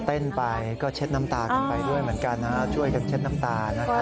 เต้นไปก็เช็ดน้ำตากันไปด้วยเหมือนกันนะช่วยกันเช็ดน้ำตานะครับ